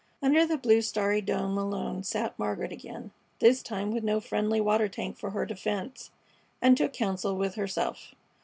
Under the blue, starry dome alone sat Margaret again, this time with no friendly water tank for her defense, and took counsel with herself.